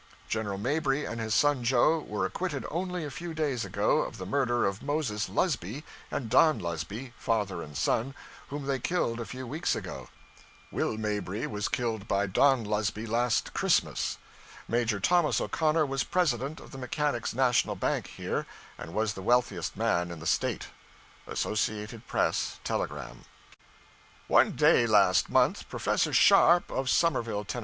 General Mabry and his son Joe were acquitted only a few days ago of the murder of Moses Lusby and Don Lusby, father and son, whom they killed a few weeks ago. Will Mabry was killed by Don Lusby last Christmas. Major Thomas O'Connor was President of the Mechanics' National Bank here, and was the wealthiest man in the State. Associated Press Telegram. One day last month, Professor Sharpe, of the Somerville, Tenn.